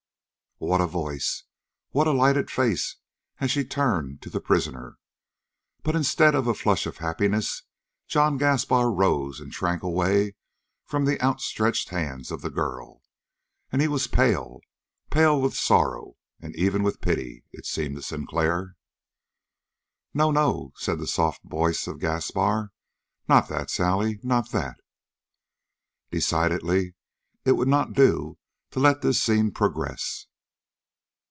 What a voice! What a lighted face, as she turned to the prisoner. But, instead of a flush of happiness, John Gaspar rose and shrank away from the outstretched hands of the girl. And he was pale pale with sorrow, and even with pity, it seemed to Sinclair. "No, no," said the soft voice of Gaspar. "Not that, Sally. Not that!" Decidedly it would not do to let this scene progress.